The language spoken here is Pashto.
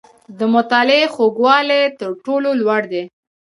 • د مطالعې خوږوالی، تر ټولو لوړ دی.